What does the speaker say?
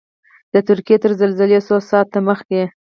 د ترکیې تر زلزلې څو ساعته مخکې.